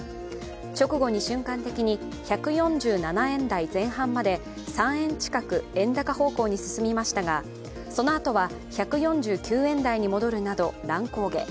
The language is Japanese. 直後に瞬間的に１４７円台前半まで３円近く円高方向に進みましたがそのあとは１４９円台に戻るなど乱高下。